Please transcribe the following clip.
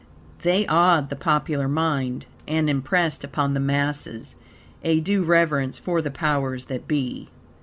They awed the popular mind, and impressed upon the masses a due reverence for the powers that be.